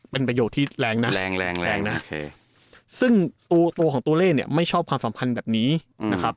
เป็นประโยคที่แรงนะแรงแรงแรงนะซึ่งตัวของตัวเลขเนี่ยไม่ชอบความสัมพันธ์แบบนี้นะครับ